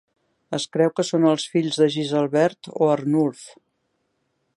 Es creu que són els fills de Giselbert o Arnulf.